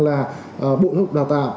là bộ ngục đào tạo